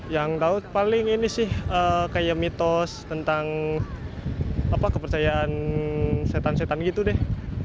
yang daud paling ini sih kayak mitos tentang kepercayaan setan setan gitu deh